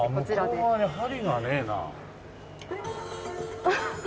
向こう側に針がねえな。